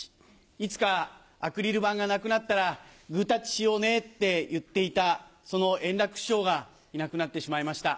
いつかアクリル板がなくなったら、グータッチしようねって言っていたその円楽師匠が、いなくなってしまいました。